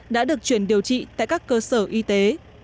đã được chuyển điều trị tại các cơ sở y tế